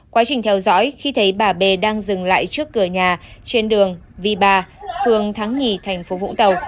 quá trình theo dõi khi thấy bà b đang dừng lại trước cửa nhà trên đường v ba phường thắng nghì tp vũng tàu